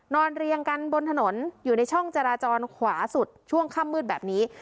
เรียงกันบนถนนอยู่ในช่องจราจรขวาสุดช่วงค่ำมืดแบบนี้